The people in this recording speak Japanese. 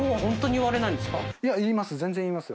世い泙言います。